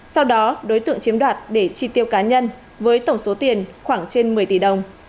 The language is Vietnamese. sau đó đối tượng chiếm đoạt để chi tiêu cá nhân với tổng số tiền khoảng trên một mươi tỷ đồng